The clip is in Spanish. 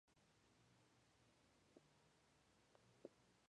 Durante esos primeros años, varios países se unen a la iniciativa franco-alemana.